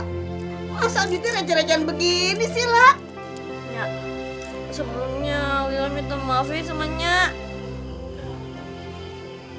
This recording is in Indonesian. kalau delapan orang conference ini kan liat siang nih